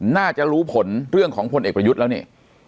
น่าจะรู้ผลเรื่องของพลเอกประยุทธ์แล้วนี่